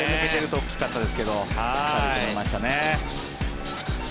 大きかったですけどしっかり止めましたね。